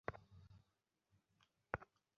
তিনি কলম চালাতে থাকেন যুদ্ধরত সরকারের বিপক্ষে ।